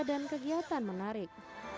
dan kegiatan menarik